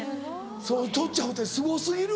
そう取っちゃうってすご過ぎる。